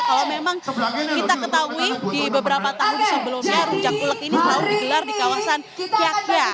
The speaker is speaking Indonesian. kalau memang kita ketahui di beberapa tahun sebelumnya rujak ulek ini selalu digelar di kawasan kiak kia